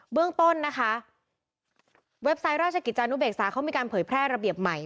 เรื่องต้นนะคะเว็บไซต์ราชกิจจานุเบกษาเขามีการเผยแพร่ระเบียบใหม่